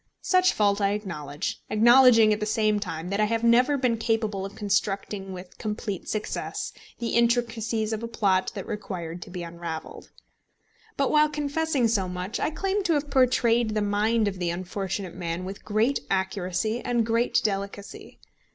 Such fault I acknowledge, acknowledging at the same time that I have never been capable of constructing with complete success the intricacies of a plot that required to be unravelled. But while confessing so much, I claim to have portrayed the mind of the unfortunate man with great accuracy and great delicacy.